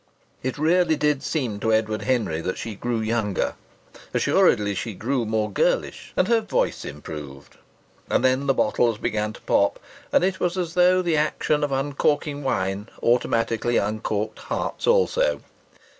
It really did seem to Edward Henry that she grew younger. Assuredly she grew more girlish and her voice improved. And then the bottles began to pop, and it was as though the action of uncorking wine automatically uncorked hearts also.